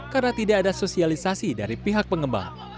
karena tidak ada sosialisasi dari pihak pengembang